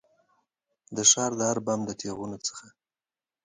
د ښار د هر بام د تېغو څخه